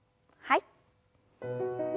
はい。